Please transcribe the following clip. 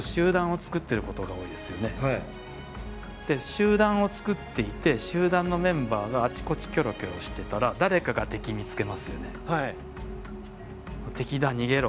集団を作っていて集団のメンバーがあちこちキョロキョロしてたら「敵だ逃げろ」。